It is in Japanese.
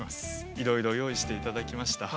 いろいろ用意していただきました。